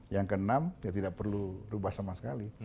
yang keenam ya tidak perlu rubah sama sekali